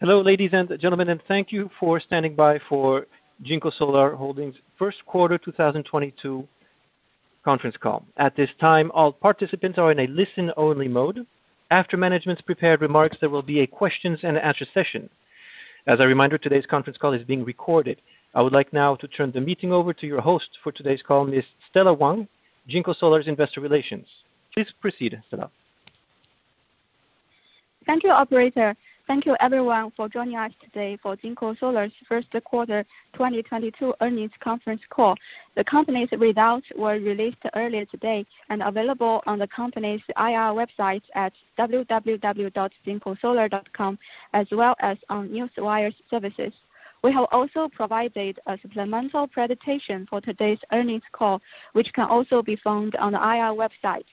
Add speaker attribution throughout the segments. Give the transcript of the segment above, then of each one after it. Speaker 1: Hello, ladies and gentlemen, and thank you for standing by for JinkoSolar Holding's First Quarter 2022 Conference Call. At this time, all participants are in a listen-only mode. After management's prepared remarks, there will be a question and answer session. As a reminder, today's conference call is being recorded. I would like now to turn the meeting over to your host for today's call, Ms. Stella Wang, JinkoSolar's Investor Relations. Please proceed, Stella.
Speaker 2: Thank you, operator. Thank you everyone for joining us today for JinkoSolar's First Quarter 2022 Earnings Conference Call. The company's results were released earlier today and available on the company's IR website at www.jinkosolar.com, as well as on Newswire services. We have also provided a supplemental presentation for today's earnings call, which can also be found on the IR website.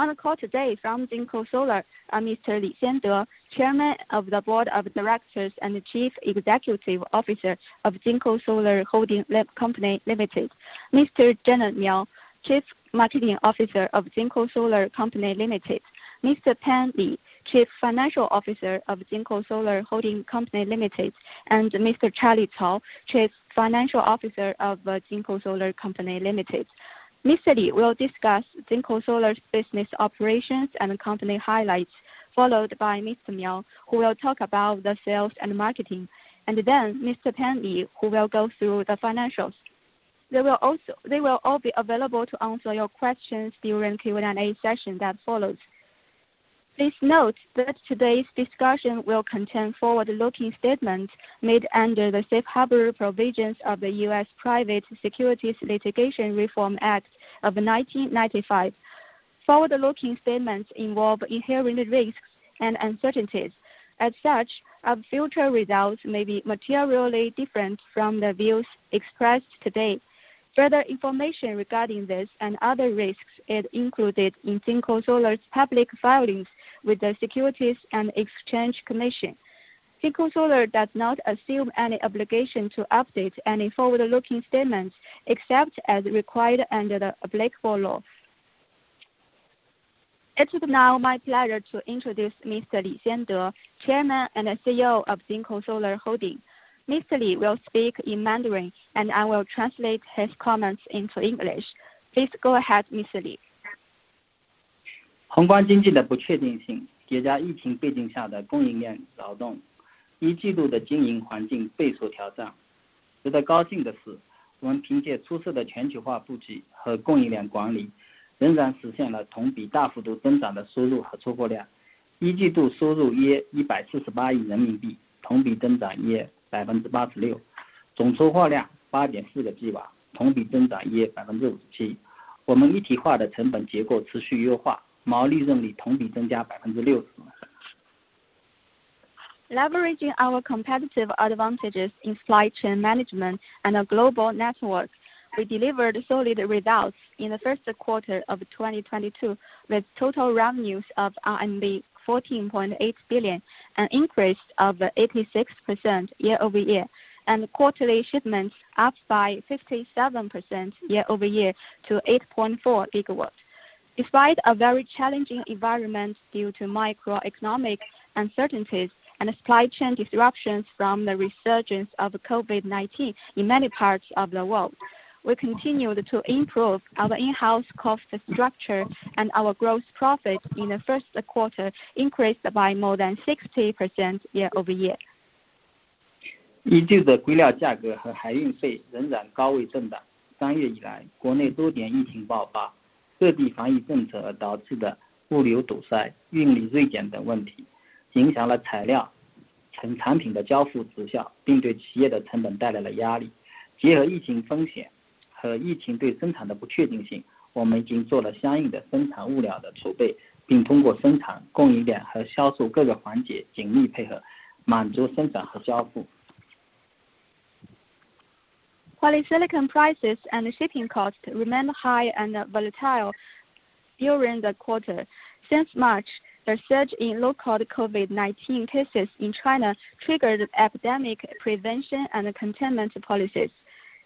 Speaker 2: On the call today from JinkoSolar are Mr. Li Xiande, Chairman of the Board of Directors and Chief Executive Officer of JinkoSolar Holding Company Limited. Mr. Gener Miao, Chief Marketing Officer of JinkoSolar Company Limited. Mr. Pan Li, Chief Financial Officer of JinkoSolar Holding Company Limited, and Mr. Charlie Cao, Chief Financial Officer of JinkoSolar Company Limited. Mr. Li will discuss JinkoSolar's business operations and company highlights, followed by Mr. Miao, who will talk about the sales and marketing. Then Mr. Pan Li, who will go through the financials. They will all be available to answer your questions during Q&A session that follows. Please note that today's discussion will contain forward-looking statements made under the safe harbor provisions of the U.S. Private Securities Litigation Reform Act of 1995. Forward-looking statements involve inherent risks and uncertainties. As such, our future results may be materially different from the views expressed today. Further information regarding this and other risks is included in JinkoSolar's public filings with the Securities and Exchange Commission. JinkoSolar does not assume any obligation to update any forward-looking statements, except as required under applicable law. It's now my pleasure to introduce Mr. Li Xiande, Chairman and CEO of JinkoSolar Holding. Mr. Li will speak in Mandarin, and I will translate his comments into English. Please go ahead, Mr. Li. Leveraging our competitive advantages in supply chain management and a global network, we delivered solid results in the first quarter of 2022, with total revenues of RMB 14.8 billion, an increase of 86% year-over-year, and quarterly shipments up by 57% year-over-year to 8.4 GW. Despite a very challenging environment due to macroeconomic uncertainties and supply chain disruptions from the resurgence of COVID-19 in many parts of the world, we continued to improve our in-house cost structure and our gross profit in the first quarter increased by more than 60% year-over-year. Polysilicon prices and shipping costs remained high and volatile during the quarter. Since March, the surge in local COVID-19 cases in China triggered epidemic prevention and containment policies.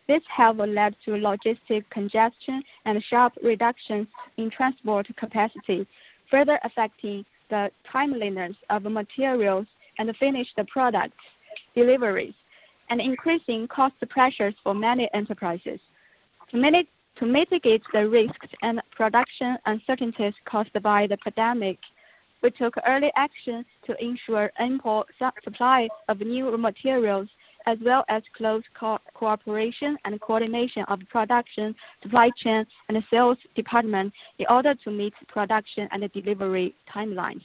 Speaker 2: This has led to logistics congestion and sharp reductions in transport capacity, further affecting the timeliness of materials and finished products deliveries and increasing cost pressures for many enterprises. To mitigate the risks and production uncertainties caused by the pandemic, we took early actions to ensure ample supply of new materials as well as close cooperation and coordination of production, supply chains, and sales departments in order to meet production and delivery timelines.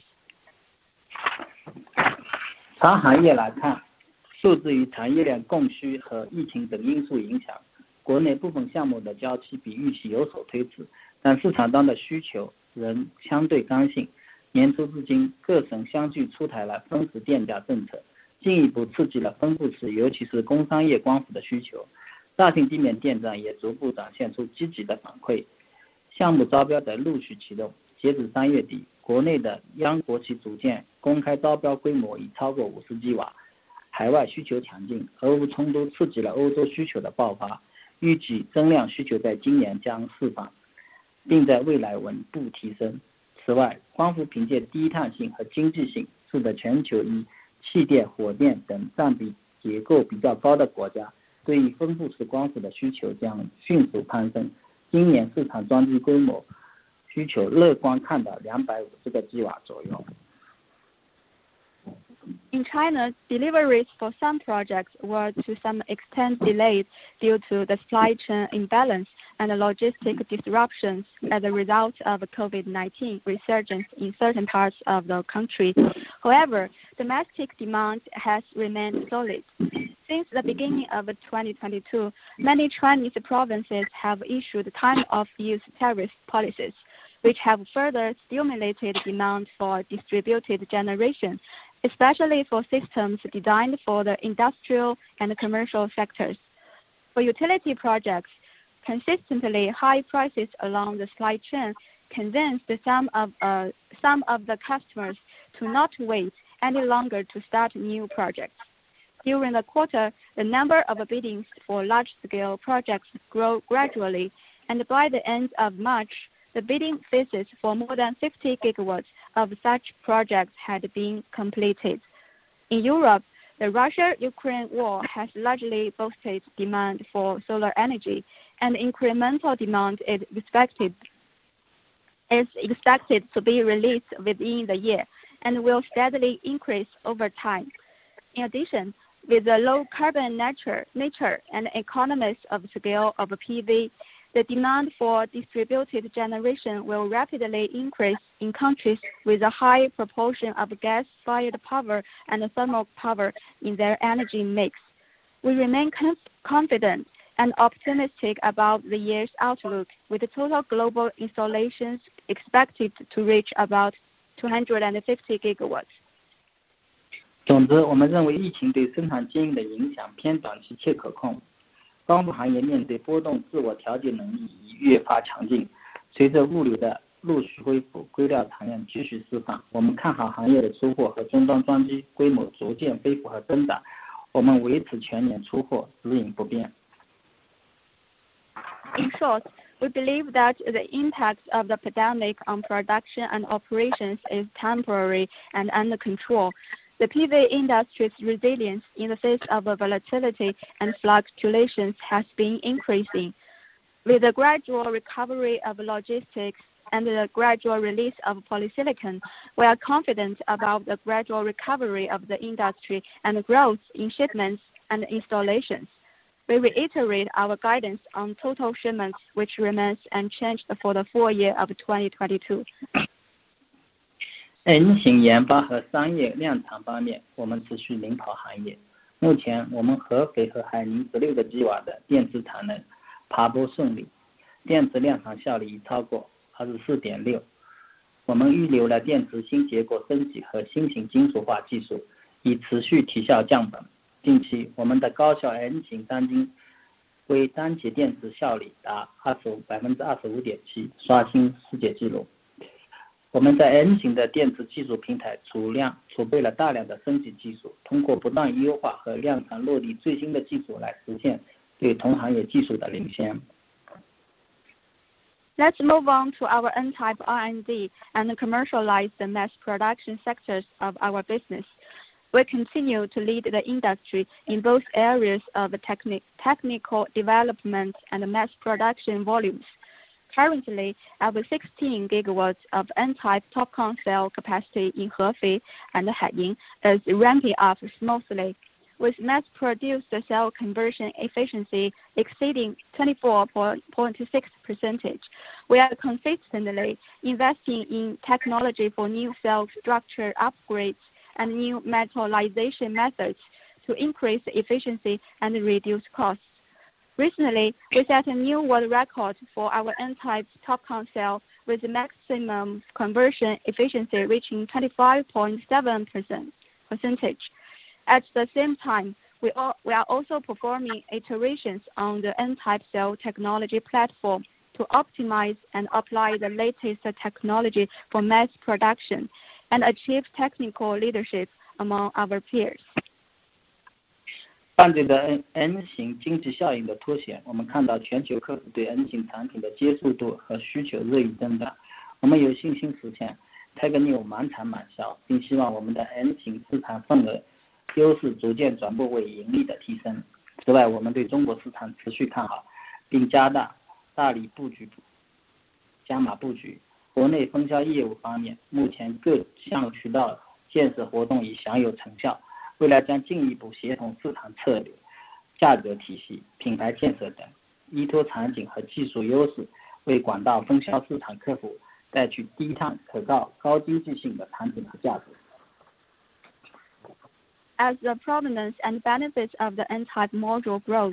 Speaker 2: In China, deliveries for some projects were to some extent delayed due to the supply chain imbalance and logistic disruptions as a result of COVID-19 resurgence in certain parts of the country. However, domestic demand has remained solid. Since the beginning of 2022, many Chinese provinces have issued time of use tariff policies, which have further stimulated demand for distributed generation, especially for systems designed for the industrial and commercial sectors. For utility projects, consistently high prices along the supply chain convince some of the customers to not wait any longer to start new projects. During the quarter, the number of biddings for large scale projects grow gradually, and by the end of March, the bidding phases for more than 50 GW of such projects had been completed. In Europe, the Russia-Ukraine war has largely boosted demand for solar energy, and incremental demand is expected. Is expected to be released within the year, and will steadily increase over time. In addition, with the low carbon nature and economies of scale of PV, the demand for distributed generation will rapidly increase in countries with a high proportion of gas-fired power and thermal power in their energy mix. We remain confident and optimistic about the year's outlook, with total global installations expected to reach about 250 GW.
Speaker 3: 总之，我们认为疫情对生产经营的影响偏短期且可控。光伏行业面对波动，自我调节能力已越发强劲。随着物流的陆续恢复，硅料产量持续释放，我们看好行业的出货和终端装机规模逐渐恢复和增长。我们维持全年出货指引不变。
Speaker 2: In short, we believe that the impact of the pandemic on production and operations is temporary and under control. The PV industry's resilience in the face of volatility and fluctuations has been increasing. With the gradual recovery of logistics and the gradual release of polysilicon, we are confident about the gradual recovery of the industry and growth in shipments and installations. We reiterate our guidance on total shipments, which remains unchanged for the full year of 2022. Let's move on to our N-type R&D and commercialize the mass production sectors of our business. We continue to lead the industry in both areas of technical development and mass production volumes. Currently, our 16 GW of N-type TOPCon cell capacity in Hefei and Haining is ramping up smoothly, with mass-produced cell conversion efficiency exceeding 24.6%. We are consistently investing in technology for new cell structure upgrades and new metallization methods to increase efficiency and reduce costs. Recently, we set a new world record for our N-type TOPCon cell, with maximum conversion efficiency reaching 25.7%. At the same time, we are also performing iterations on the N-type cell technology platform to optimize and apply the latest technology for mass production and achieve technical leadership among our peers. As the prominence and benefits of the N-type module grows,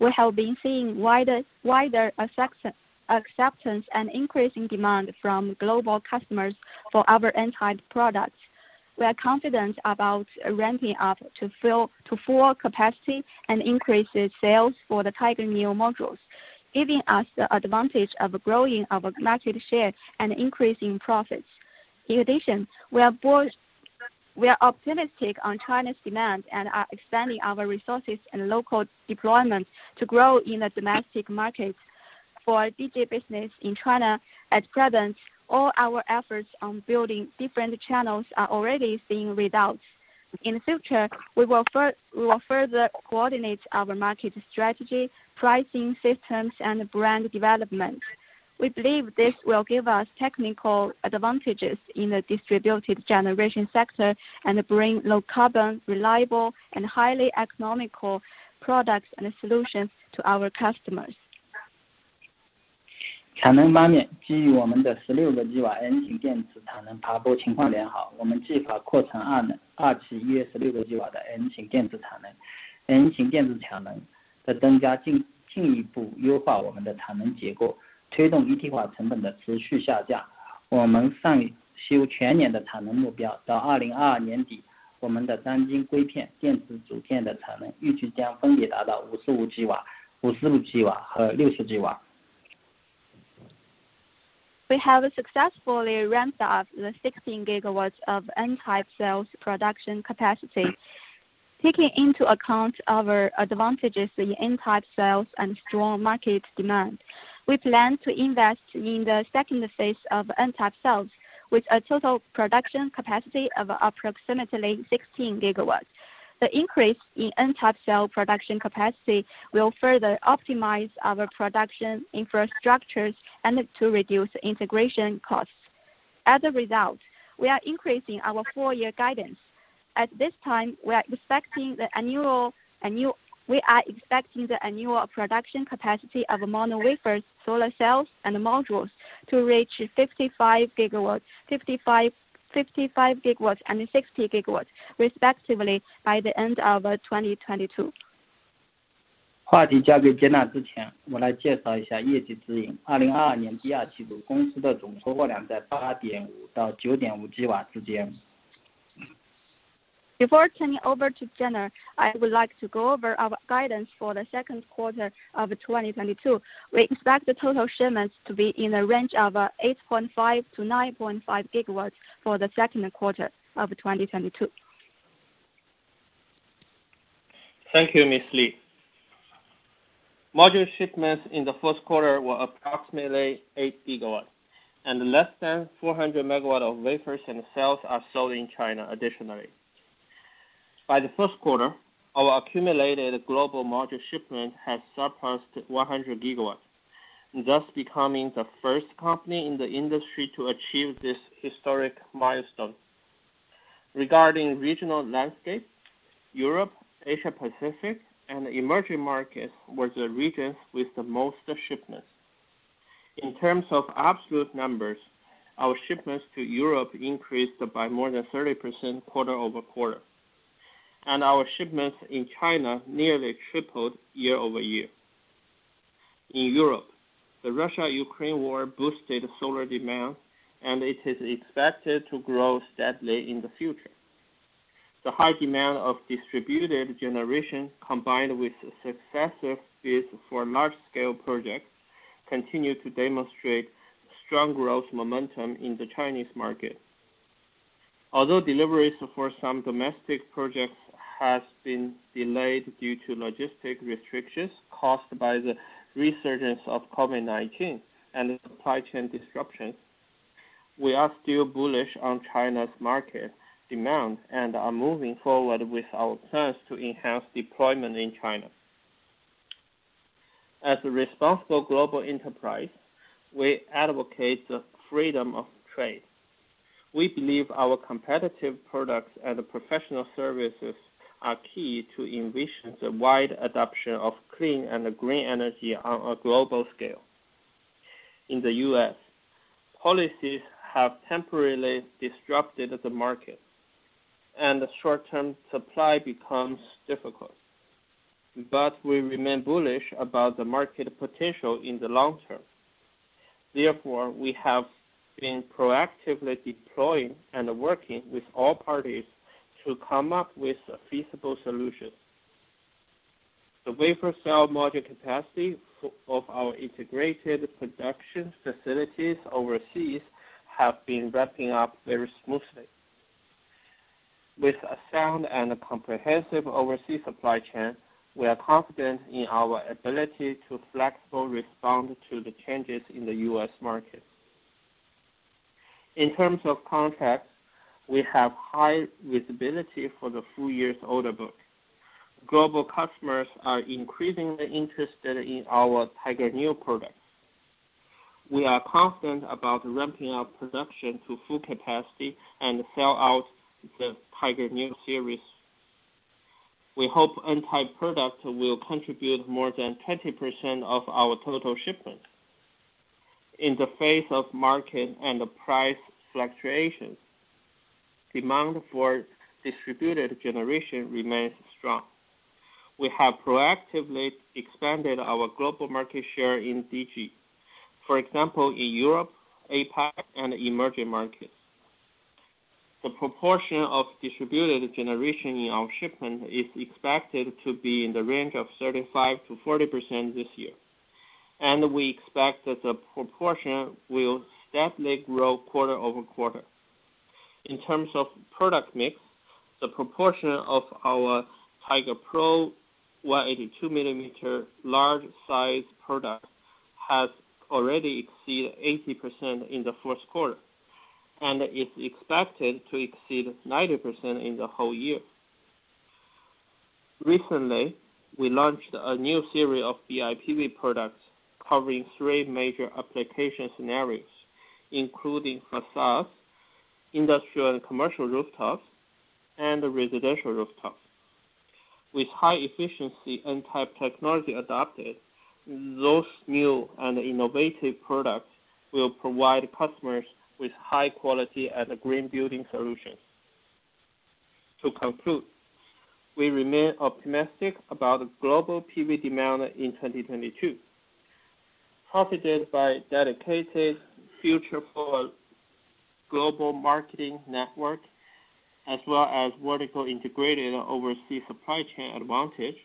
Speaker 2: we have been seeing wider acceptance and increasing demand from global customers for our N-type products. We are confident about ramping up to full capacity and increase sales for the Tiger Neo modules, giving us the advantage of growing our market share and increasing profits. In addition, we are optimistic on China's demand and are expanding our resources and local deployment to grow in the domestic market. For DG business in China, at present, all our efforts on building different channels are already seeing results. In the future, we will further coordinate our market strategy, pricing systems, and brand development. We believe this will give us technical advantages in the distributed generation sector and bring low carbon, reliable, and highly economical products and solutions to our customers. We have successfully ramped up the 16 GW of N-type cells production capacity. Taking into account our advantages in the N-type cells and strong market demand, we plan to invest in the second phase of N-type cells with a total production capacity of approximately 16 GW. The increase in N-type cell production capacity will further optimize our production infrastructures and to reduce integration costs. As a result, we are increasing our full year guidance. At this time, we are expecting the annual production capacity of mono wafers, solar cells, and modules to reach 55 GW, 55 GW, and 60 GW, respectively, by the end of 2022. Before turning over to Gener, I would like to go over our guidance for the second quarter of 2022. We expect the total shipments to be in the range of 8.5 GW-9.5 GW for the second quarter of 2022.
Speaker 4: Thank you, Ms. Li. Module shipments in the first quarter were approximately 8 GW, and less than 400 MW of wafers and cells are sold in China additionally. By the first quarter, our accumulated global module shipment has surpassed 100 GW, thus becoming the first company in the industry to achieve this historic milestone. Regarding regional landscape, Europe, Asia Pacific, and emerging markets were the regions with the most shipments. In terms of absolute numbers, our shipments to Europe increased by more than 30% quarter-over-quarter, and our shipments in China nearly tripled year-over-year. In Europe, the Russia-Ukraine war boosted solar demand, and it is expected to grow steadily in the future. The high demand of distributed generation, combined with successive bids for large scale projects, continue to demonstrate strong growth momentum in the Chinese market. Although deliveries for some domestic projects have been delayed due to logistic restrictions caused by the resurgence of COVID-19 and supply chain disruptions, we are still bullish on China's market demand and are moving forward with our plans to enhance deployment in China. As a responsible global enterprise, we advocate the freedom of trade. We believe our competitive products and professional services are key to envision the wide adoption of clean and green energy on a global scale. In the U.S., policies have temporarily disrupted the market, and short-term supply becomes difficult. We remain bullish about the market potential in the long term. Therefore, we have been proactively deploying and working with all parties to come up with a feasible solution. The wafer cell module capacity of our integrated production facilities overseas has been ramping up very smoothly. With a sound and comprehensive overseas supply chain, we are confident in our ability to flexibly respond to the changes in the U.S. market. In terms of contracts, we have high visibility for the full year's order book. Global customers are increasingly interested in our Tiger Neo products. We are confident about ramping up production to full capacity and sell out the Tiger Neo series. We hope N-type product will contribute more than 20% of our total shipment. In the face of market and the price fluctuations, demand for distributed generation remains strong. We have proactively expanded our global market share in DG. For example, in Europe, APAC, and emerging markets. The proportion of distributed generation in our shipment is expected to be in the range of 35%-40% this year. We expect that the proportion will steadily grow quarter-over-quarter. In terms of product mix, the proportion of our Tiger Pro 182 mm large size product has already exceeded 80% in the first quarter, and it's expected to exceed 90% in the whole year. Recently, we launched a new series of BIPV products covering three major application scenarios, including facades, industrial and commercial rooftops, and residential rooftops. With high efficiency N-type technology adopted, those new and innovative products will provide customers with high quality and green building solutions. To conclude, we remain optimistic about the global PV demand in 2022. Propelled by dedicated effort for global marketing network, as well as vertically integrated overseas supply chain advantage,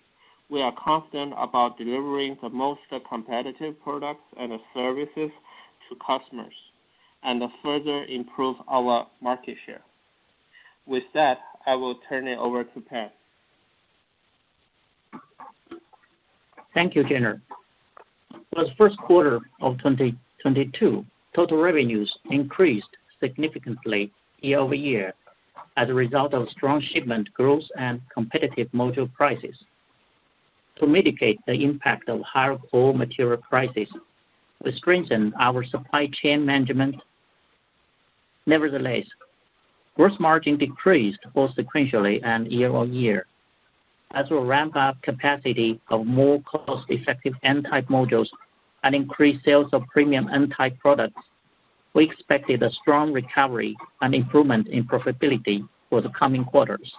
Speaker 4: we are confident about delivering the most competitive products and services to customers, and further improve our market share. With that, I will turn it over to Pan Li.
Speaker 5: Thank you, Gener Miao. For the first quarter of 2022, total revenues increased significantly year-over-year as a result of strong shipment growth and competitive module prices. To mitigate the impact of higher raw material prices, we strengthened our supply chain management. Nevertheless, gross margin decreased both sequentially and year-over-year. As we ramp up capacity of more cost-effective N-type modules and increase sales of premium N-type products, we expected a strong recovery and improvement in profitability for the coming quarters.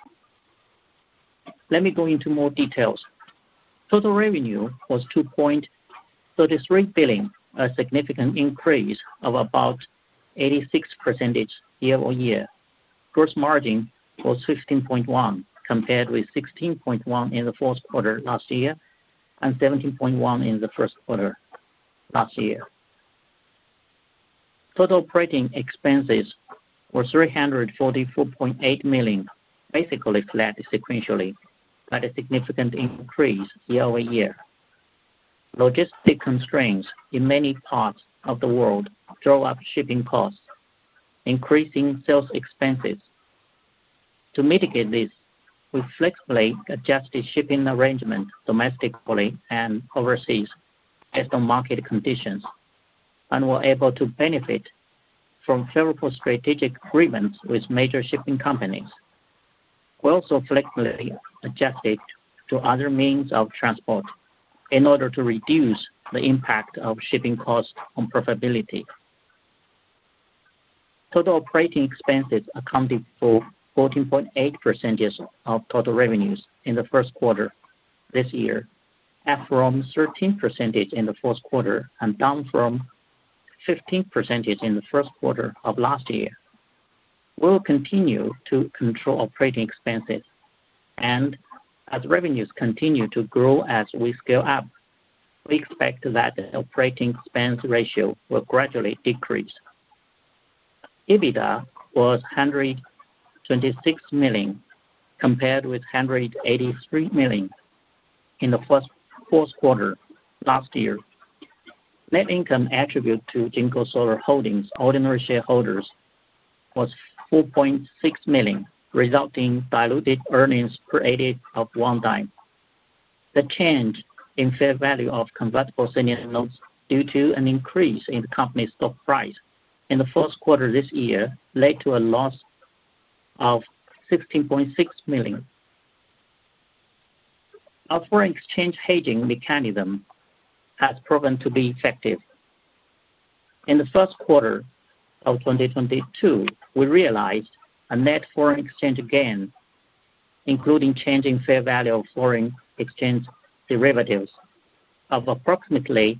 Speaker 5: Let me go into more details. Total revenue was 2.33 billion, a significant increase of about 86% year-over-year. Gross margin was 16.1%, compared with 16.1% in the fourth quarter last year and 17.1% in the first quarter last year. Total operating expenses were 344.8 million, basically flat sequentially, but a significant increase year over year. Logistic constraints in many parts of the world drove up shipping costs, increasing sales expenses. To mitigate this, we flexibly adjusted shipping arrangement domestically and overseas based on market conditions and were able to benefit from several strategic agreements with major shipping companies. We also flexibly adjusted to other means of transport in order to reduce the impact of shipping costs on profitability. Total operating expenses accounted for 14.8% of total revenues in the first quarter this year, up from 13% in the fourth quarter and down from 15% in the first quarter of last year. We will continue to control operating expenses, and as revenues continue to grow as we scale up, we expect that the operating expense ratio will gradually decrease. EBITDA was $126 million, compared with $183 million in the fourth quarter last year. Net income attributable to JinkoSolar Holding ordinary shareholders was $4.6 million, resulting in diluted earnings per ADS of $0.01. The change in fair value of convertible senior notes due to an increase in the company's stock price in the first quarter this year led to a loss of $16.6 million. Our foreign exchange hedging mechanism has proven to be effective. In the first quarter of 2022, we realized a net foreign exchange gain, including change in fair value of foreign exchange derivatives, of approximately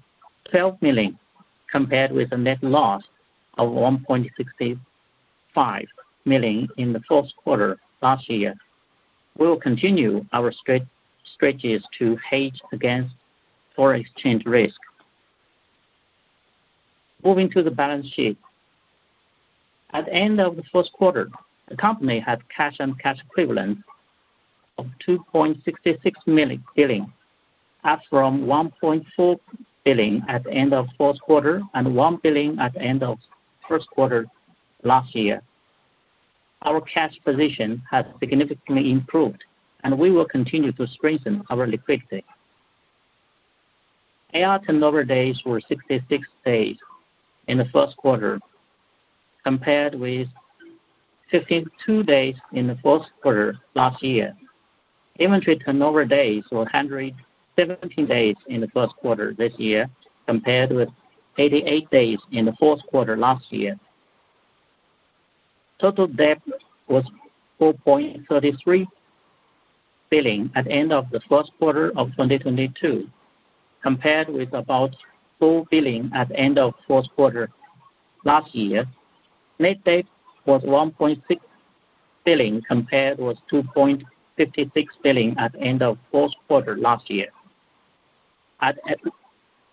Speaker 5: $12 million, compared with a net loss of $1.65 million in the first quarter last year. We will continue our strategies to hedge against foreign exchange risk. Moving to the balance sheet. At the end of the first quarter, the company had cash and cash equivalents of 2.66 billion, up from 1.4 billion at the end of fourth quarter and 1 billion at the end of first quarter last year. Our cash position has significantly improved, and we will continue to strengthen our liquidity. AR turnover days were 66 days in the first quarter, compared with 52 days in the fourth quarter last year. Inventory turnover days were 117 days in the first quarter this year, compared with 88 days in the fourth quarter last year. Total debt was 4.33 billion at the end of the first quarter of 2022, compared with about 4 billion at the end of fourth quarter last year. Net debt was 1.6 billion compared with 2.56 billion at end of fourth quarter last year.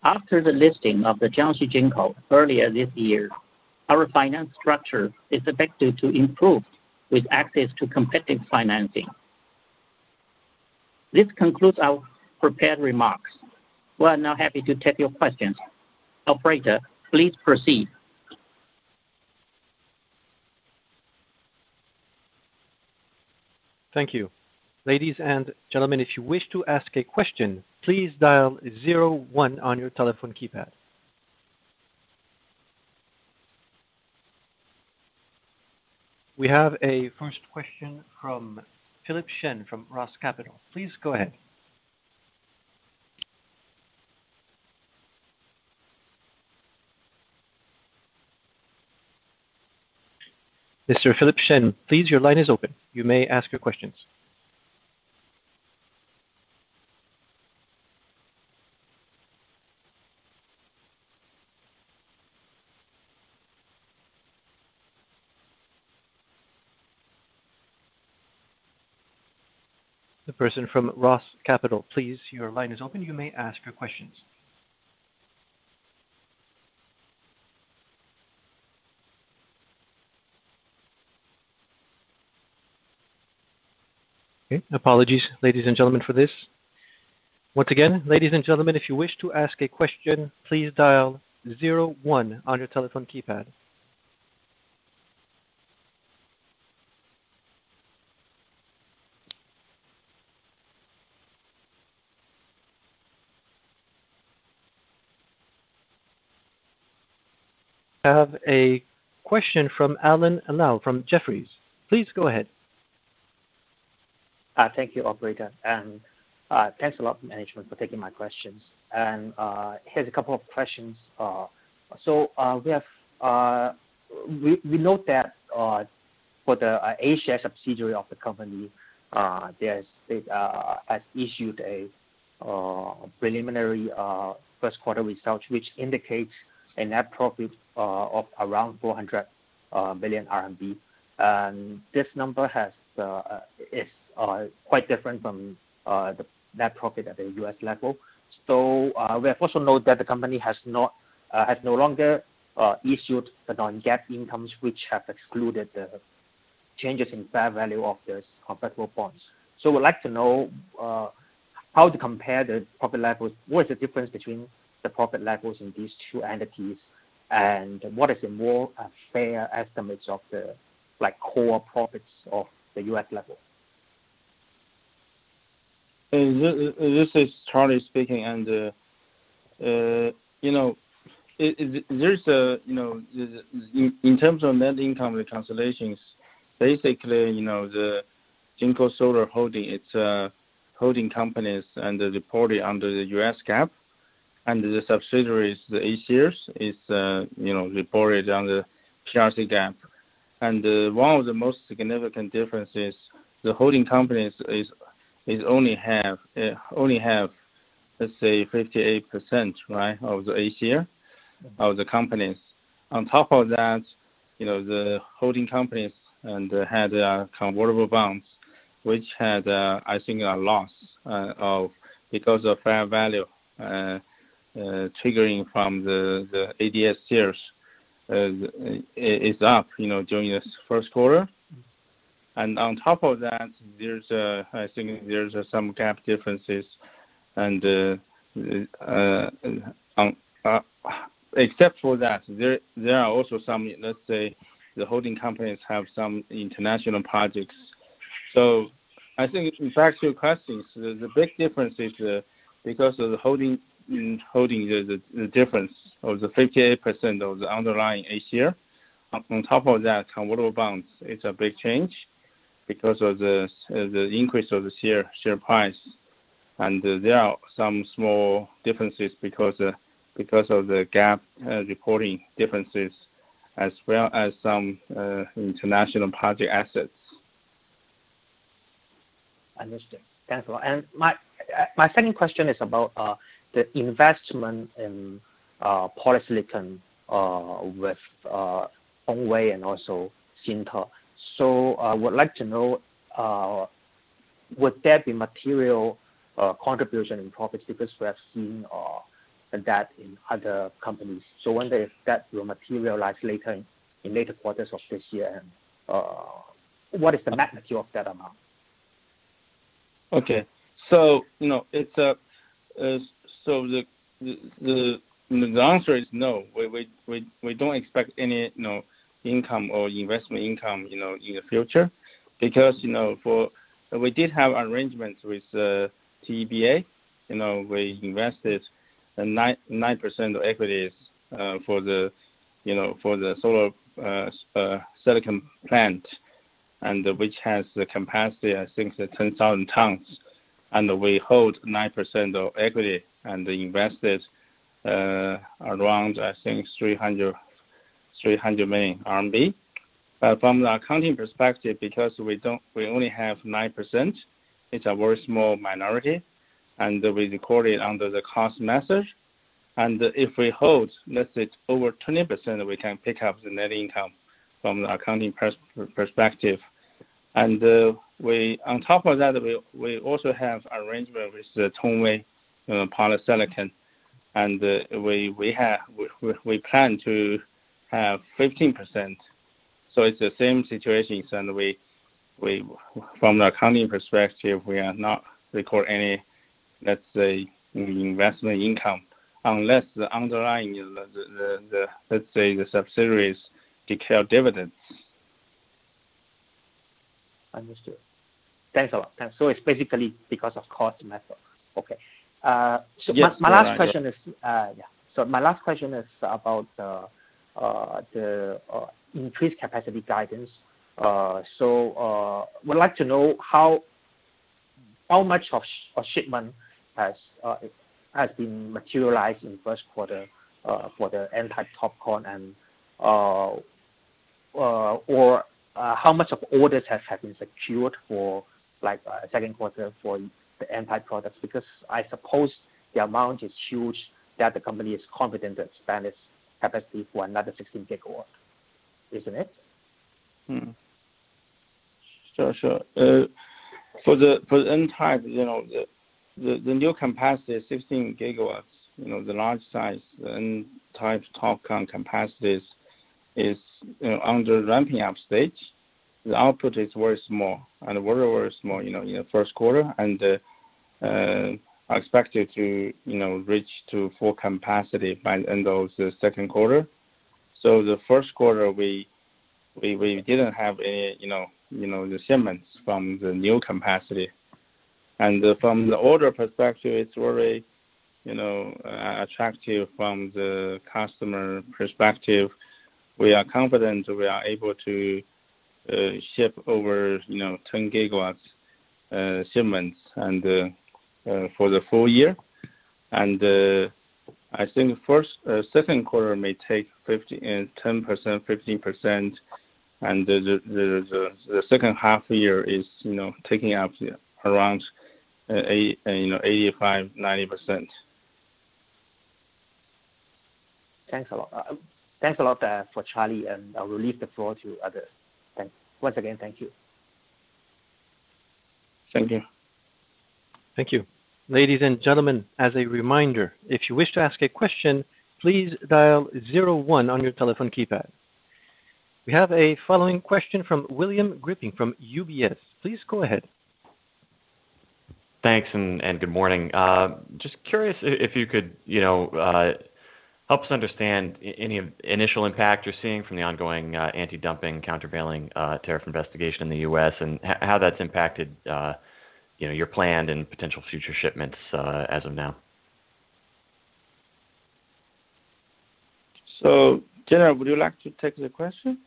Speaker 5: After the listing of the Jiangxi Jinko earlier this year, our financial structure is expected to improve with access to competitive financing. This concludes our prepared remarks. We are now happy to take your questions. Operator, please proceed.
Speaker 1: Thank you. Ladies and gentlemen, if you wish to ask a question, please dial zero one on your telephone keypad. We have a first question from Philip Shen from Roth Capital Partners. Please go ahead. Mr. Philip Shen, please, your line is open. You may ask your questions. The person from Roth Capital Partners, please, your line is open. You may ask your questions. Okay. Apologies, ladies and gentlemen, for this. Once again, ladies and gentlemen, if you wish to ask a question, please dial zero one on your telephone keypad. I have a question from Alan Lau from Jefferies. Please go ahead.
Speaker 6: Thank you, operator. Thanks a lot management for taking my questions. Here's a couple of questions. We note that for the A-share subsidiary of the company has issued a preliminary first quarter results, which indicates a net profit of around 400 billion RMB. This number is quite different from the net profit at the U.S. level. We also note that the company has no longer issued the non-GAAP incomes, which have excluded the changes in fair value of these convertible bonds. We'd like to know how to compare the profit levels. What is the difference between the profit levels in these two entities? What is a more fair estimates of the like core profits of the U.S. level?
Speaker 7: This is Charlie speaking, you know, there's in terms of net income reconciliations, basically, you know, the JinkoSolar Holding, its holding companies and they report it under the U.S. GAAP, and the subsidiaries, the A-shares is reported under PRC GAAP. One of the most significant differences the holding companies is only have, let's say 58%, right, of the A-share of the companies. On top of that, you know, the holding companies and they had their convertible bonds, which had, I think a loss of because of fair value triggering from the ADS shares is up, you know, during this first quarter. I think there are some GAAP differences and except for that, there are also some, let's say, the holding companies have some international projects. I think in fact, your questions, the big difference is because of the holding, the difference of the 58% of the underlying A-share, on top of that convertible bonds is a big change because of the increase of the share price. There are some small differences because of the GAAP reporting differences as well as some international project assets.
Speaker 6: Understood. Thanks a lot. My second question is about the investment in polysilicon with Tongwei and also Xinte. Would like to know, would that be material contribution in profits? Because we have seen that in other companies. That will materialize later in later quarters of this year. What is the magnitude of that amount?
Speaker 7: Okay. You know, the answer is no. We don't expect any, you know, income or investment income, you know, in the future because we did have arrangements with TBEA. You know, we invested 9% of equity for the solar silicon plant and which has the capacity, I think it's 10,000 tons. We hold 9% of equity and invested, uh, around, I think 300 million RMB. From the accounting perspective, because we only have 9%, it's a very small minority and we record it under the cost method. If we hold, let's say over 20%, we can pick up the net income from the accounting perspective. On top of that, we also have arrangement with Tongwei polysilicon, and we plan to have 15%. It's the same situation. From the accounting perspective, we are not record any, let's say, investment income unless the underlying, let's say, the subsidiaries declare dividends.
Speaker 6: Understood. Thanks a lot. It's basically because of cost method. Okay. My last question is about the increased capacity guidance. Would like to know how much of shipment has been materialized in the first quarter for the N-type TOPCon and, or how much of orders has been secured for like second quarter for the N-type products? Because I suppose the amount is huge, that the company is confident to expand its capacity for another 16 GW, isn't it?
Speaker 7: Sure, sure. For the N-type, you know, the new capacity is 16 GW. You know, the large size N-type TOPCon capacities is, you know, under ramping up stage. The output is very small in the first quarter. Expected to, you know, reach full capacity by end of the second quarter. The first quarter we didn't have, you know, the shipments from the new capacity. From the order perspective, it's very, you know, attractive from the customer perspective. We are confident we are able to ship over, you know, 10 GW shipments for the full year. I think first and second quarter may take 10%-15%. The second half year is, you know, taking up around you know, 85%-90%.
Speaker 6: Thanks a lot. Thanks a lot for Charlie, I'll release the floor to others. Thanks. Once again, thank you.
Speaker 7: Thank you.
Speaker 1: Thank you. Ladies and gentlemen, as a reminder, if you wish to ask a question, please dial zero one on your telephone keypad. We have a following question from William Grippin from UBS. Please go ahead.
Speaker 8: Thanks and good morning. Just curious if you could, you know, help us understand any initial impact you're seeing from the ongoing anti-dumping, countervailing tariff investigation in the U.S. and how that's impacted, you know, your planned and potential future shipments, as of now.
Speaker 7: Gener, would you like to take the question?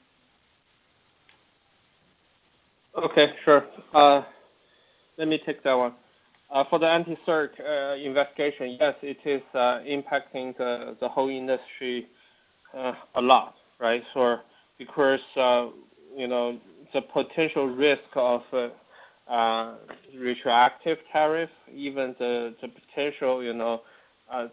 Speaker 4: Okay, sure. Let me take that one. For the anti-circ investigation, yes, it is impacting the whole industry a lot, right? Of course, you know, the potential risk of retroactive tariff, even the potential, you know,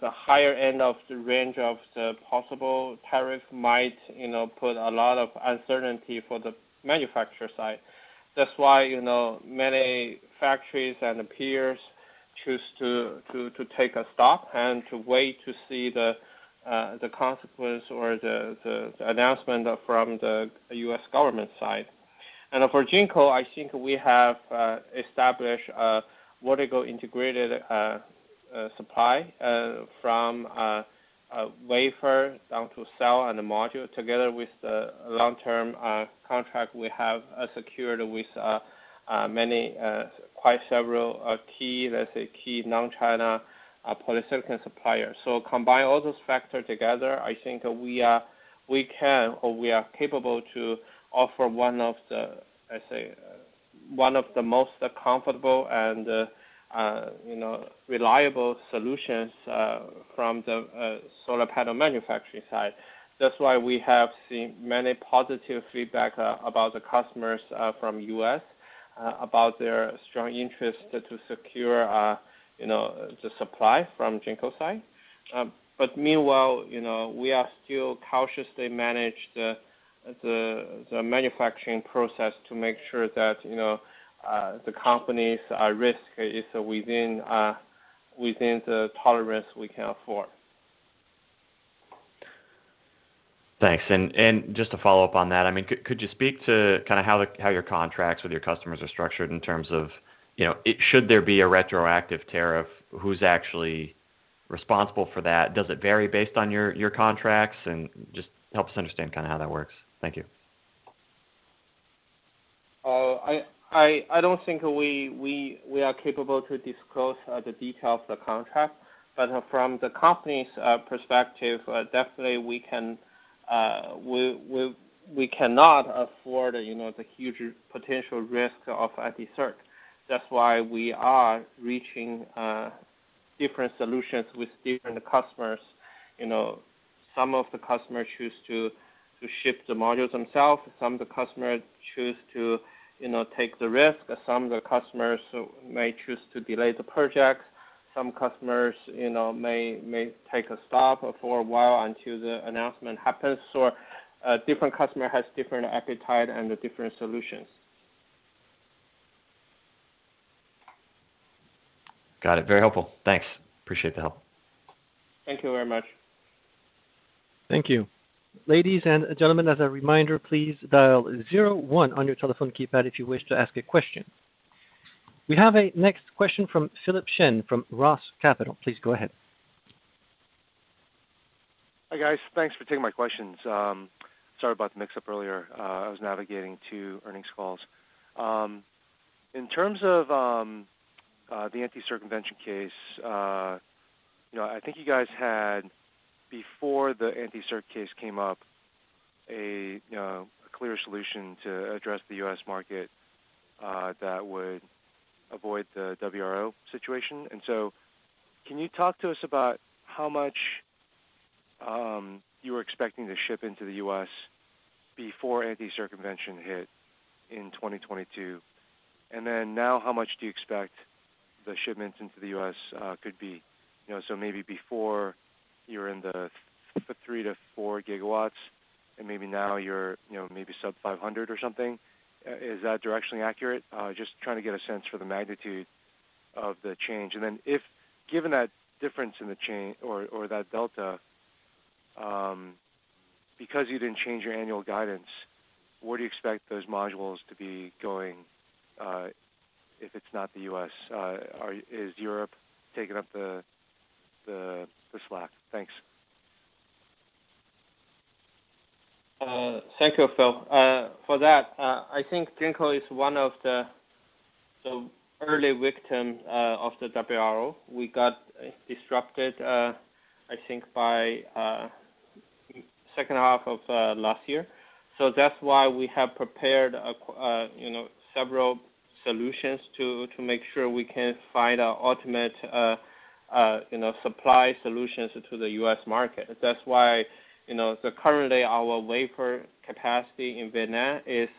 Speaker 4: the higher end of the range of the possible tariff might, you know, put a lot of uncertainty for the manufacturer side. That's why, you know, many factories and peers choose to take a stop and to wait to see the consequence or the announcement from the U.S. government side. For Jinko, I think we have established a vertically integrated supply from a wafer down to cell and a module together with the long-term contract we have secured with many quite several key, let's say, key non-China polysilicon suppliers. Combine all those factors together, I think we can or we are capable to offer one of the, let's say, one of the most comfortable and, you know, reliable solutions from the solar panel manufacturing side. That's why we have seen many positive feedback about the customers from U.S. about their strong interest to secure, you know, the supply from Jinko side. Meanwhile, you know, we are still cautiously manage the manufacturing process to make sure that, you know, the company's risk is within the tolerance we can afford.
Speaker 8: Thanks. Just to follow up on that, I mean, could you speak to kind of how your contracts with your customers are structured in terms of, you know, should there be a retroactive tariff? Who's actually responsible for that? Does it vary based on your contracts? Just help us understand kind of how that works. Thank you.
Speaker 4: I don't think we are capable to disclose the detail of the contract. From the company's perspective, definitely we cannot afford, you know, the huge potential risk of anti-circ. That's why we are reaching different solutions with different customers, you know. Some of the customers choose to ship the modules themselves. Some of the customers choose to, you know, take the risk. Some of the customers may choose to delay the project. Some customers, you know, may take a stop for a while until the announcement happens, or a different customer has different appetite and different solutions.
Speaker 8: Got it. Very helpful. Thanks. Appreciate the help.
Speaker 4: Thank you very much.
Speaker 1: Thank you. Ladies and gentlemen, as a reminder, please dial zero one on your telephone keypad if you wish to ask a question. We have a next question from Philip Shen from Roth Capital. Please go ahead.
Speaker 9: Hi, guys. Thanks for taking my questions. Sorry about the mix-up earlier. I was navigating two earnings calls. In terms of the anti-circumvention case, you know, I think you guys had, before the anti-circ case came up, you know, a clear solution to address the U.S. market that would avoid the WRO situation. Can you talk to us about how much you were expecting to ship into the U.S. before anti-circumvention hit in 2022? Now how much do you expect the shipments into the U.S. could be? You know, so maybe before you're in the 3 GW-4 GW, and maybe now you're, you know, maybe sub 500 or something. Is that directionally accurate? Just trying to get a sense for the magnitude of the change. Then, given that difference in the change or that delta, because you didn't change your annual guidance, where do you expect those modules to be going, if it's not the U.S.? Is Europe taking up the slack? Thanks.
Speaker 4: Thank you, Phil, for that. I think Jinko is one of the early victim of the WRO. We got disrupted, I think by second half of last year. That's why we have prepared several solutions to make sure we can find our ultimate supply solutions to the U.S. market. That's why currently our wafer capacity in Vietnam is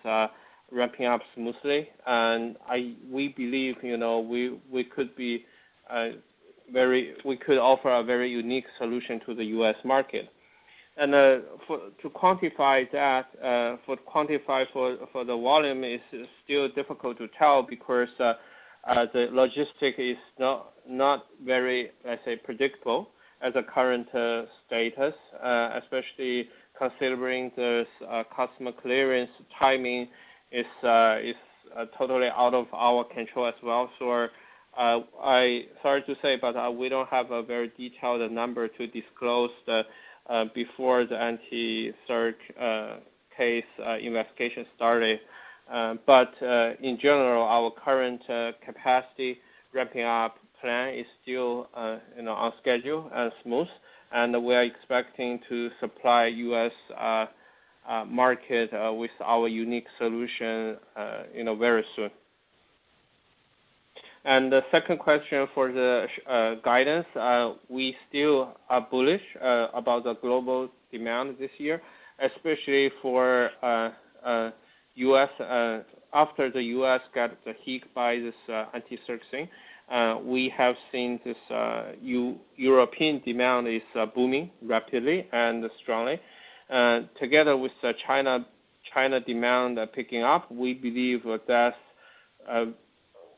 Speaker 4: ramping up smoothly. We believe we could offer a very unique solution to the U.S. market. To quantify that, the volume is still difficult to tell because the logistics is not very, let's say, predictable in the current status, especially considering this customs clearance timing is totally out of our control as well. I'm sorry to say, but we don't have a very detailed number to disclose before the anti-circ case investigation started. But in general, our current capacity ramping up plan is still, you know, on schedule and smooth, and we are expecting to supply U.S. market with our unique solution, you know, very soon. The second question for the guidance, we still are bullish about the global demand this year, especially for the U.S., after the U.S. got hit by this anti-circ thing. We have seen this European demand is booming rapidly and strongly. Together with the China demand picking up, we believe that's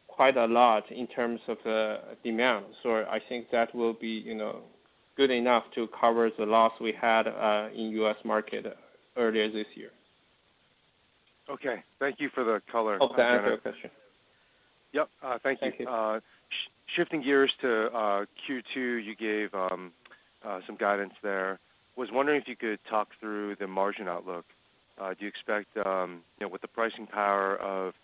Speaker 4: quite a lot in terms of the demand. I think that will be, you know, good enough to cover the loss we had in U.S. market earlier this year.
Speaker 9: Okay. Thank you for the color.
Speaker 4: Hope that answered your question.
Speaker 9: Yep. Thank you.
Speaker 4: Thank you.
Speaker 9: Shifting gears to Q2, you gave some guidance there. Was wondering if you could talk through the margin outlook. Do you expect, you know, with the pricing power of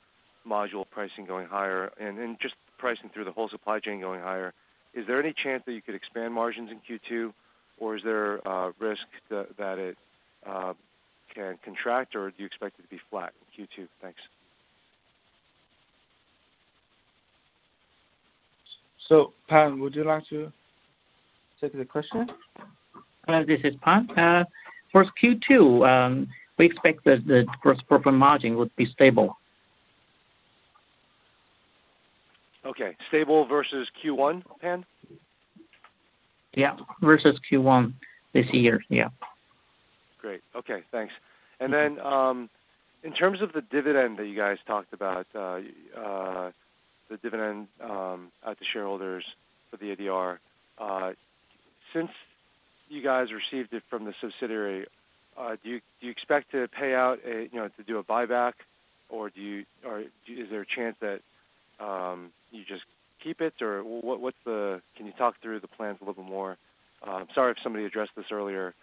Speaker 9: module pricing going higher and just pricing through the whole supply chain going higher, is there any chance that you could expand margins in Q2? Or is there a risk that it can contract, or do you expect it to be flat in Q2? Thanks.
Speaker 7: Pan Li, would you like to take the question?
Speaker 5: This is Pan. For Q2, we expect the gross profit margin would be stable.
Speaker 9: Okay. Stable versus Q1, Pan?
Speaker 5: Yeah. Versus Q1 this year. Yeah.
Speaker 9: Great. Okay. Thanks. Then, in terms of the dividend that you guys talked about, the dividend to shareholders for the ADR, since you guys received it from the subsidiary, do you expect to pay out a, you know, to do a buyback, or do you or is there a chance that you just keep it? Or what's the can you talk through the plans a little more? Sorry if somebody addressed this earlier.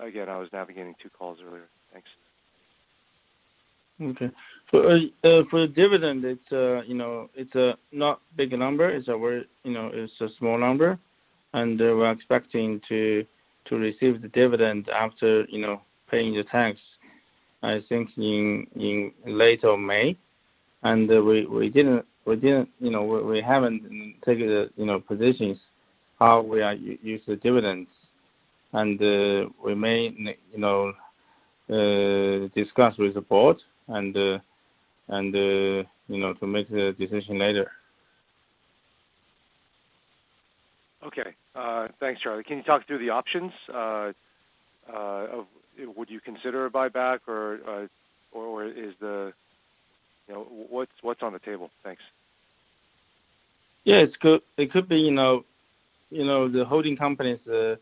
Speaker 9: Again, I was navigating two calls earlier. Thanks.
Speaker 7: Okay. For the dividend, it's you know it's not big number. It's a very you know it's a small number. We're expecting to receive the dividend after you know paying the tax. I think in late May, we haven't taken the positions how we are to use the dividends. We may, you know, discuss with the board, you know, to make the decision later.
Speaker 9: Okay. Thanks, Charlie. Can you talk through the options? Would you consider a buyback or is there? You know, what's on the table? Thanks.
Speaker 7: Yeah. It could be, you know, the holding companies, you know,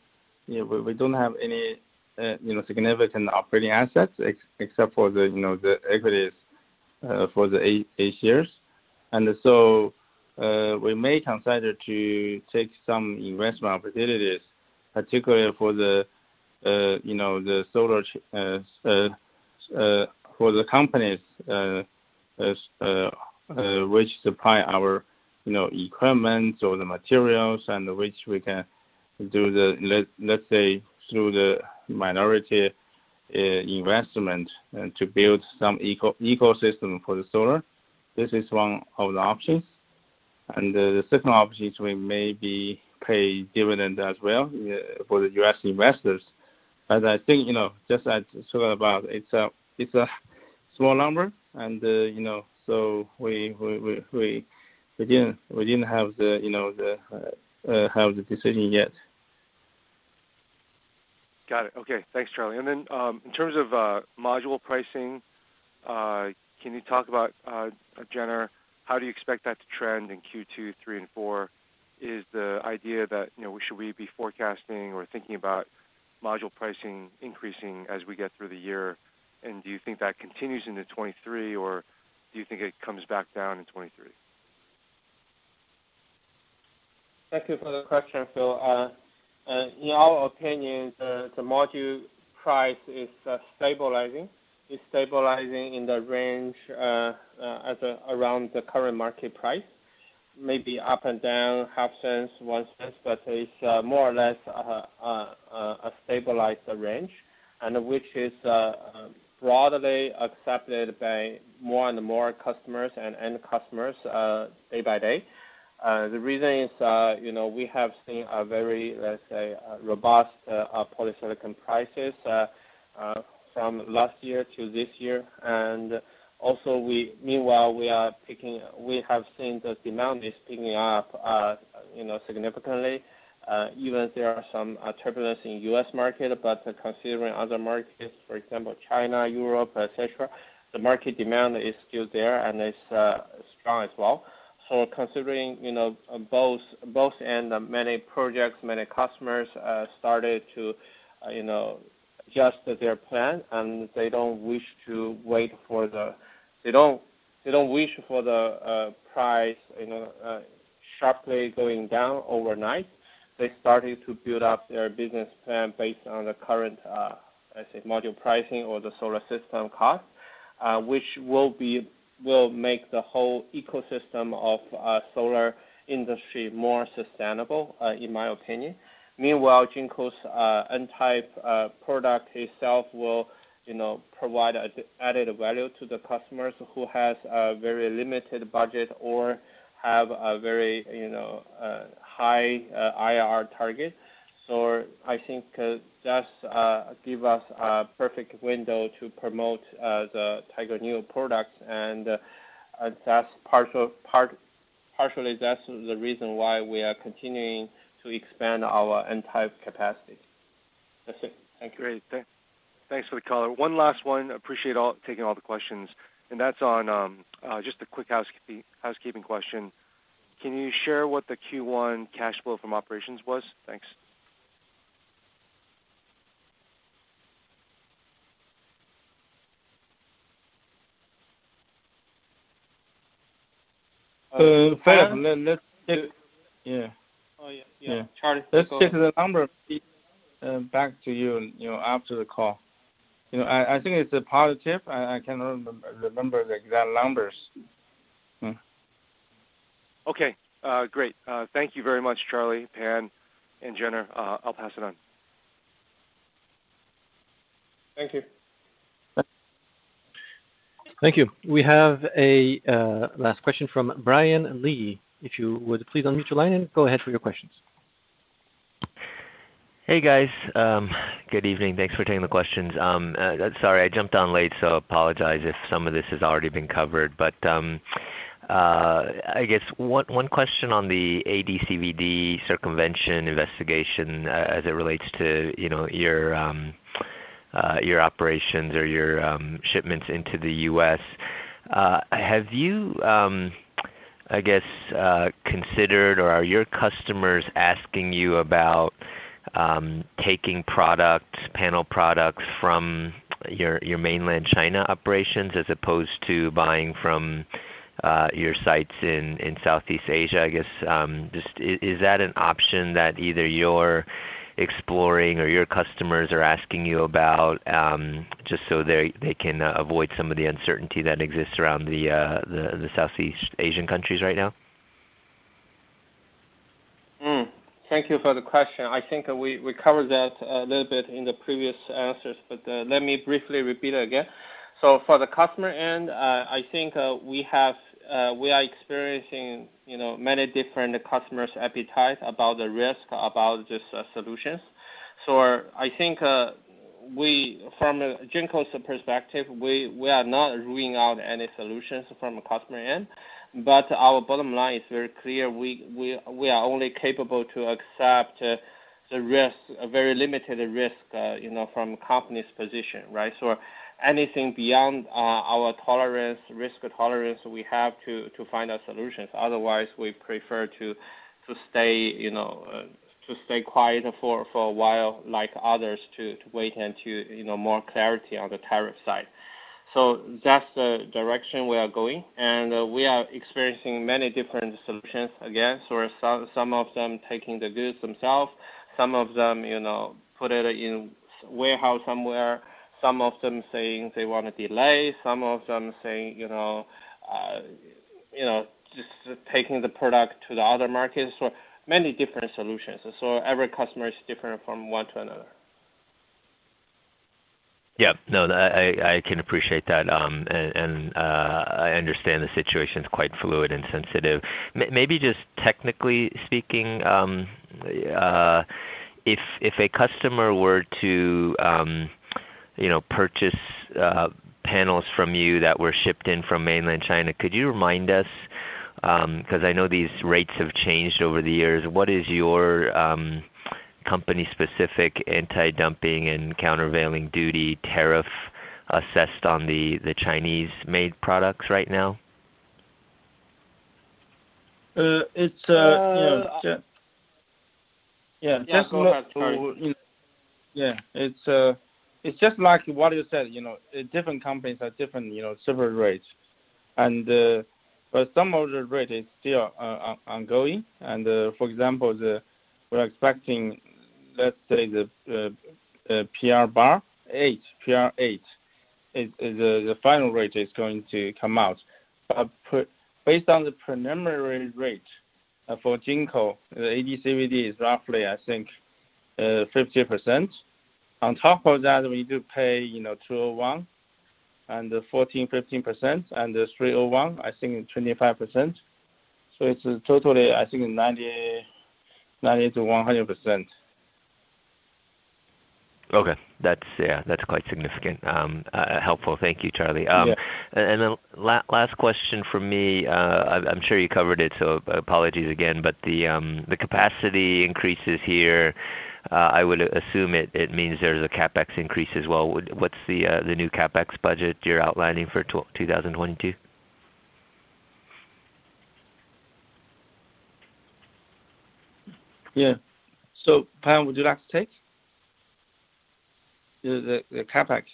Speaker 7: we don't have any, you know, significant operating assets except for the, you know, the equities, for the eight years. We may consider to take some investment opportunities, particularly for the, you know, the solar chain for the companies which supply our, you know, equipment or the materials and which we can, let's say, through the minority investment, to build some ecosystem for the solar. This is one of the options. The second option is we may pay dividend as well, for the U.S. investors. As I think, you know, just as talking about it's a small number and, you know, so we didn't have the, you know, the decision yet.
Speaker 9: Got it. Okay. Thanks, Charlie. In terms of module pricing, can you talk about, Gener Miao, how do you expect that to trend in Q2, Q3 and Q4? Is the idea that, you know, should we be forecasting or thinking about module pricing increasing as we get through the year? Do you think that continues into 2023, or do you think it comes back down in 2023?
Speaker 4: Thank you for the question, Philip. In our opinion, the module price is stabilizing. It's stabilizing in the range around the current market price. Maybe up and down $0.005-$0.01, but it's more or less a stabilized range, and which is broadly accepted by more and more customers and end customers day by day. The reason is, you know, we have seen a very, let's say, robust polysilicon prices from last year to this year. Also, meanwhile, we have seen the demand is picking up, you know, significantly, even there are some turbulence in U.S. market. Considering other markets, for example, China, Europe, et cetera, the market demand is still there and is strong as well. Considering, you know, both and many projects, many customers started to, you know, adjust their plan and they don't wish for the price, you know, sharply going down overnight. They started to build up their business plan based on the current, let's say, module pricing or the solar system cost, which will make the whole ecosystem of solar industry more sustainable, in my opinion. Meanwhile, JinkoSolar's N-type product itself will, you know, provide added value to the customers who has a very limited budget or have a very, you know, high IRR target. I think that gives us a perfect window to promote the Tiger Neo products and that's partially the reason why we are continuing to expand our N-type capacity. That's it. Thank you.
Speaker 9: Great. Thanks for the color. One last one. Appreciate all taking all the questions. That's on just a quick housekeeping question. Can you share what the Q1 cash flow from operations was? Thanks.
Speaker 7: Phil, let's take. Yeah.
Speaker 4: Oh, yeah. Yeah.
Speaker 7: Yeah.
Speaker 4: Charlie,
Speaker 7: Let's take the number back to you know, after the call. You know, I think it's a positive. I cannot remember the exact numbers.
Speaker 9: Okay. Great. Thank you very much, Charlie, Pan, and Gener. I'll pass it on.
Speaker 4: Thank you.
Speaker 7: Bye.
Speaker 1: Thank you. We have a last question from Brian Lee. If you would please unmute your line and go ahead for your questions.
Speaker 10: Hey, guys. Good evening. Thanks for taking the questions. Sorry, I jumped on late, so apologize if some of this has already been covered. I guess one question on the AD/CVD circumvention investigation, as it relates to, you know, your operations or your shipments into the U.S. Have you, I guess, considered or are your customers asking you about, taking products, panel products from your mainland China operations as opposed to buying from your sites in Southeast Asia? I guess just is that an option that either you're exploring or your customers are asking you about, just so they can avoid some of the uncertainty that exists around the Southeast Asian countries right now?
Speaker 7: Mm-hmm. Thank you for the question. I think we covered that a little bit in the previous answers, but let me briefly repeat it again. For the customer end, I think we are experiencing, you know, many different customers' appetite about the risk, about the solutions. I think we from a JinkoSolar's perspective, we are not ruling out any solutions from a customer end, but our bottom line is very clear. We are only capable to accept the risks, a very limited risk, you know, from company's position, right? Anything beyond our tolerance, risk tolerance, we have to find our solutions. Otherwise, we prefer to stay, you know, to stay quiet for a while, like others, to wait into, you know, more clarity on the tariff side. That's the direction we are going, and we are experiencing many different solutions again. Some of them taking the goods themselves, some of them, you know, put it in warehouse somewhere. Some of them saying they wanna delay. Some of them saying, you know, you know, just taking the product to the other markets. Many different solutions. Every customer is different from one to another.
Speaker 10: Yeah. No, I can appreciate that, and I understand the situation is quite fluid and sensitive. Maybe just technically speaking, if a customer were to, you know, purchase panels from you that were shipped in from mainland China, could you remind us, 'cause I know these rates have changed over the years. What is your company-specific antidumping and countervailing duty tariff assessed on the Chinese-made products right now?
Speaker 7: Uh, it's, uh...
Speaker 5: Uh.
Speaker 7: Yeah. Yeah.
Speaker 5: Yeah. Go ahead, Charlie.
Speaker 7: Yeah. It's just like what you said, you know. Different companies have different, you know, several rates. Some of the rate is still ongoing. For example, we're expecting, let's say, POR 8. The final rate is going to come out. Based on the preliminary rate, for Jinko, the AD/CVD is roughly, I think, 50%. On top of that, we do pay, you know, Section 201, and 14%-15%, and the Section 301, I think 25%. It's totally, I think 90%-100%.
Speaker 10: Okay. That's, yeah, that's quite significant. Helpful. Thank you, Charlie.
Speaker 7: Yeah.
Speaker 10: Last question from me, I'm sure you covered it, so apologies again. The capacity increases here, I would assume it means there's a CapEx increase as well. What's the new CapEx budget you're outlining for 2022?
Speaker 7: Yeah. Pan, would you like to take the CapEx?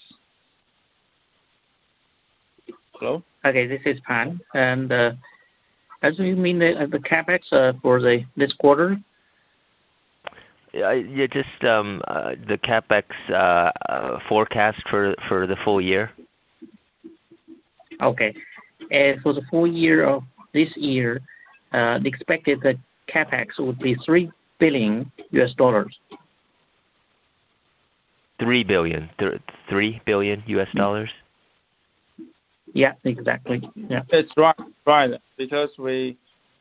Speaker 7: Hello?
Speaker 5: Okay. This is Pan. Do you mean the CapEx for this quarter?
Speaker 10: Yeah. Just the CapEx forecast for the full year.
Speaker 5: Okay. For the full year of this year, we expect that CapEx would be $3 billion.
Speaker 10: $3 billion. $3 billion?
Speaker 5: Yeah, exactly. Yeah.
Speaker 7: It's right. Because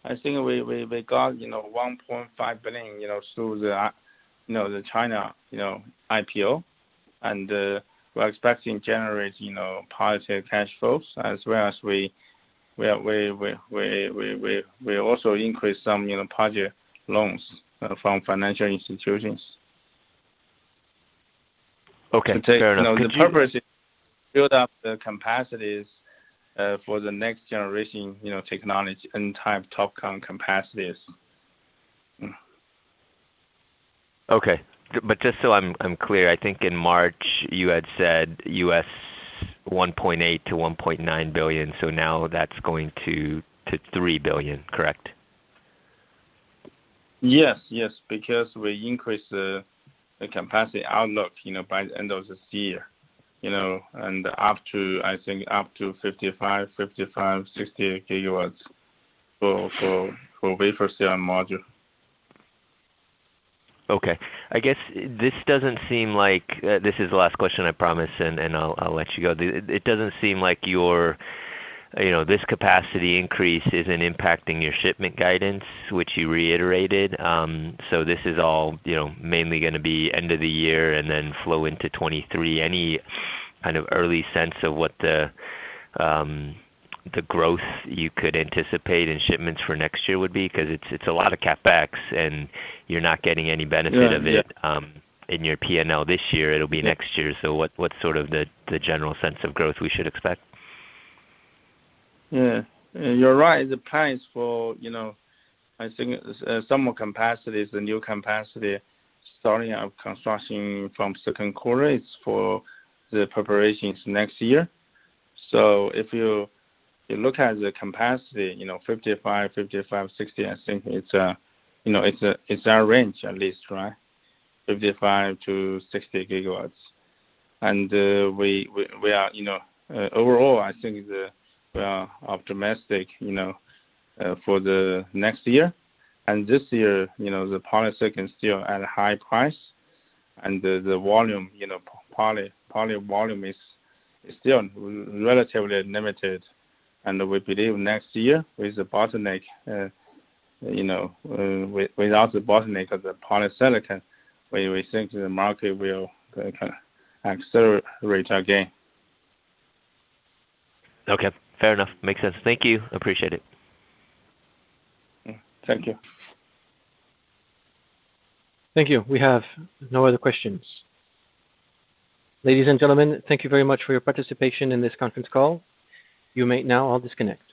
Speaker 7: I think we got, you know, 1.5 billion, you know, through the, you know, the China, you know, IPO. We're expecting generate, you know, positive cash flows as well as we also increase some, you know, project loans from financial institutions.
Speaker 10: Okay. Fair enough. Could you
Speaker 7: The purpose is to build up the capacities for the next generation, you know, technology and N-type TOPCon capacities.
Speaker 10: Okay. Just so I'm clear, I think in March, you had said $1.8 billion-$1.9 billion, so now that's going to $3 billion, correct?
Speaker 7: Yes. Because we increased the capacity outlook, you know, by end of this year, you know, and up to, I think, up to 55 GW-60 GW for wafer, cell, and module.
Speaker 10: Okay. I guess this doesn't seem like this is the last question, I promise, and I'll let you go. It doesn't seem like your, you know, this capacity increase isn't impacting your shipment guidance, which you reiterated. So this is all, you know, mainly gonna be end of the year and then flow into 2023. Any kind of early sense of what the growth you could anticipate in shipments for next year would be? 'Cause it's a lot of CapEx, and you're not getting any benefit.
Speaker 7: Yeah.
Speaker 10: of it in your P&L this year. It'll be next year. What's sort of the general sense of growth we should expect?
Speaker 7: Yeah. You're right. The plans for, you know, I think, some more capacities, the new capacity, starting up construction from second quarter is for the preparations next year. So if you look at the capacity, you know, 55, 60, I think it's a range at least, right? 55 GW-60 GW. We are, you know. Overall, I think we're optimistic for next year. This year, you know, the polysilicon still at a high price. The volume, you know, poly volume is still relatively limited. We believe next year with the bottleneck, you know, without the bottleneck of the polysilicon, we think the market will accelerate again.
Speaker 10: Okay. Fair enough. Makes sense. Thank you. Appreciate it.
Speaker 7: Thank you.
Speaker 1: Thank you. We have no other questions. Ladies and gentlemen, thank you very much for your participation in this conference call. You may now all disconnect.